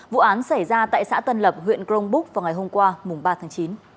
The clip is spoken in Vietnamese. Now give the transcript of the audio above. vụ án xảy ra tại xã tân lập huyện grongbúc vào ngày hôm qua mùng ba tháng chín